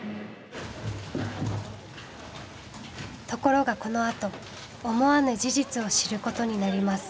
ところがこのあと思わぬ事実を知ることになります。